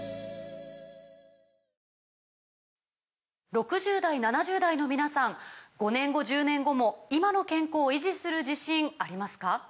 ６０代７０代の皆さん５年後１０年後も今の健康維持する自信ありますか？